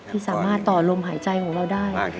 ที่สามารถต่อลมหายใจของเราได้